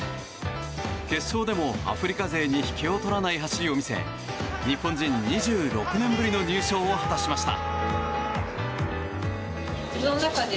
決勝でも、アフリカ勢に引けを取らない走りを見せ日本人、２６年ぶりの入賞を果たしました。